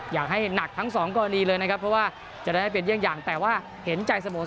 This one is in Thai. อยากให้หนักทั้งสองกรณีเลยนะครับเพราะว่าจะได้เป็นเยี่ยงอย่างแต่ว่าเห็นใจเสมอ